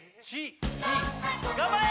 頑張れ！